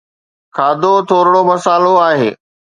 کاڌو ٿورڙو مصالحو آهي